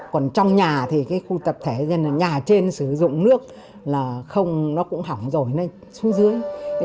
còn trong nhà thì cái khu tập thể nhà trên sử dụng nước là không nó cũng hỏng rồi nó xuống dưới